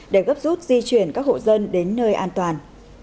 để gấp rút di chuyển các hộ dân đến nơi an toàn